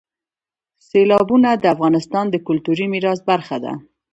سیلابونه د افغانستان د کلتوري میراث برخه ده.